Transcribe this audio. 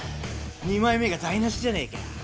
二枚目が台無しじゃねえか。